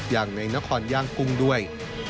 อย่างในนครย่างกุ้งด้วย